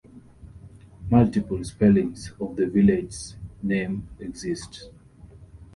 Multiple spellings of the village's name exist.